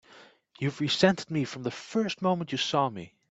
You've resented me from the first moment you saw me!